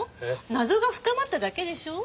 謎が深まっただけでしょ？